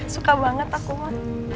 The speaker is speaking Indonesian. suka banget aku ma